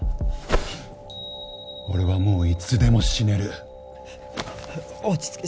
俺はもういつでも死ねる落ち着け